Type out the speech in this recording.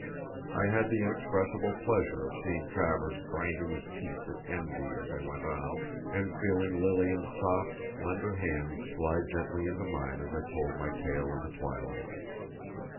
I had the inexpressible pleasure of seeing Travers grinding his teeth with envy as I went on, and feeling Lilian's soft, slender hand glide silently into mine as I told my tale in the twilight.